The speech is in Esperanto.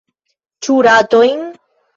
Ĉu ratojn?